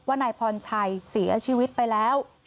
นายพรชัยเสียชีวิตไปแล้ว